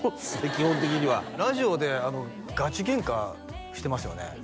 基本的にはラジオでガチゲンカしてますよね？